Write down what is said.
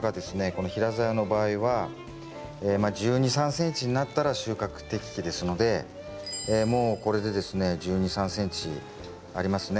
この平ざやの場合は１２１３ｃｍになったら収穫適期ですのでもうこれでですね１２１３ｃｍありますね。